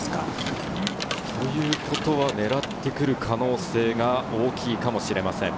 ということは狙ってくる可能性が大きいかもしれません。